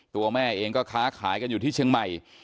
ตัวแม่เองก็ค้าขายกันอยู่ที่เชียงใหม่